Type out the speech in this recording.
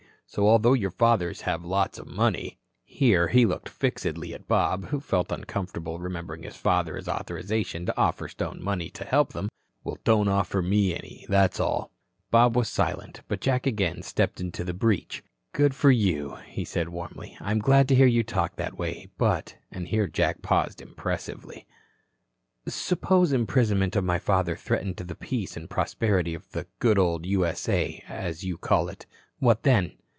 So, although your fathers have lots of money" here he looked fixedly at Bob, who felt uncomfortable remembering his father's authorization to offer Stone money to help them "well, don't offer me any, that's all." Bob was silent, but Jack again stepped into the breach. "Good for you," he said warmly. "I'm glad to hear you talk that way. But" and here Jack paused impressively "suppose the imprisonment of my father threatened the peace and prosperity of the 'good old U.S.A.' as you call it. What then?"